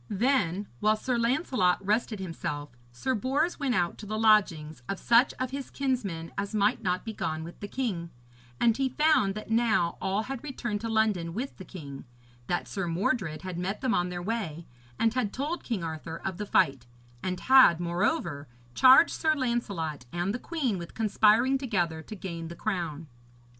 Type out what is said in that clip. Then, while Sir Lancelot rested himself, Sir Bors went out to the lodgings of such of his kinsmen as might not be gone with the king, and he found that now all had returned to London with the king, that Sir Mordred had met them on their way, and had told King Arthur of the fight, and had, moreover, charged Sir Lancelot and the queen with conspiring together to gain the crown.